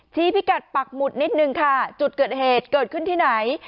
พิกัดปักหมุดนิดนึงค่ะจุดเกิดเหตุเกิดขึ้นที่ไหน